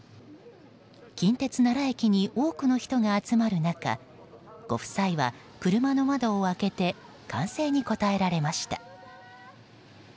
近鉄奈良駅に多くの人が集まる中ご夫妻は車の窓を開けて歓声に応えられました。